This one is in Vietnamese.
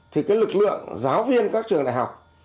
thì cái lực lượng giáo viên các trường đại học